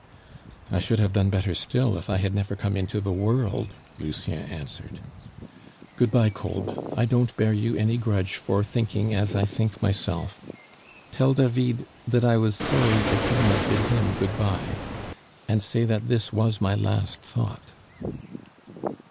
"I should have done better still if I had never come into the world," Lucien answered. "Good bye, Kolb; I don't bear you any grudge for thinking as I think myself. Tell David that I was sorry I could not bid him good bye, and say that this was my last thought."